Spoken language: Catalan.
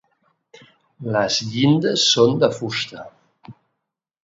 Les llindes són de fusta.